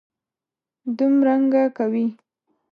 دومرنګه کوي.